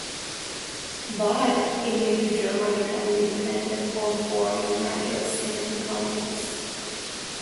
But, it made the German economy dependent on foreign markets and economies.